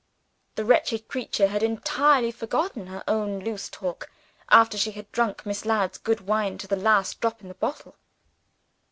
The wretched creature had entirely forgotten her own loose talk, after she had drunk Miss Ladd's good wine to the last drop in the bottle.